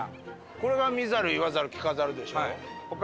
これが「見ざる言わざる聞かざる」でしょ？